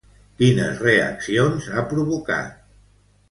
Quines reaccions ha provocat?